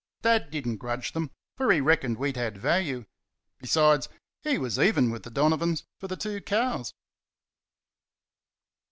Dad did n't grudge them, for he reckoned we'd had value. Besides, he was even with the Donovans for the two cows.